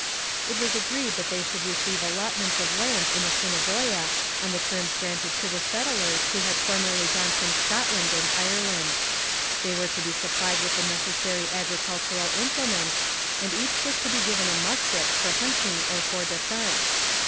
It was agreed that they should receive allotments of land in Assiniboia on the terms granted to the settlers who had formerly gone from Scotland and Ireland. They were to be supplied with the necessary agricultural implements, and each was to be given a musket for hunting or for defence.